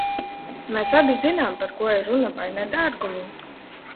Mēs abi zinām, par ko ir runa, vai ne, dārgumiņ?